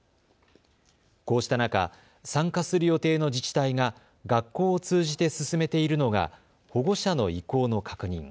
こうした中、参加する予定の自治体が学校を通じて進めているのが保護者の意向の確認。